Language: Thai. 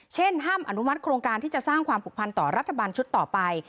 ห้ามอนุมัติโครงการที่จะสร้างความผูกพันต่อรัฐบาลชุดต่อไป